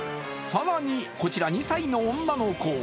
更に、こちら２歳の女の子。